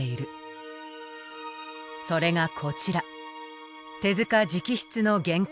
それがこちら。